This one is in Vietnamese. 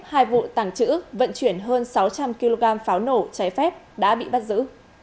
hai vụ tàng trữ vận chuyển hơn sáu trăm linh kg pháo nổ trái phép đã bị bắt giữ